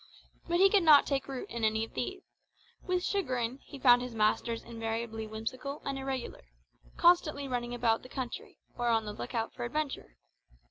But he could not take root in any of these; with chagrin, he found his masters invariably whimsical and irregular, constantly running about the country, or on the look out for adventure.